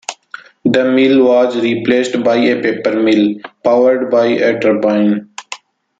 The mill was replaced by a paper mill, powered by a turbine.